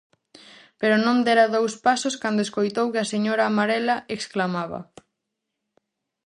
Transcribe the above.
Pero non dera dous pasos cando escoitou que a señora amarela exclamaba: